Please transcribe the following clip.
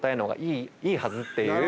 いいはずっていう。